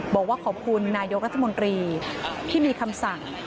บอกว่าขอบคุณนายกรัฐมนตรีที่มีคำสั่ง